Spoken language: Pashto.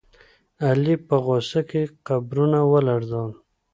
علي په غوسه کې قبرونه ولړزول.